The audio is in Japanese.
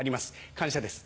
感謝です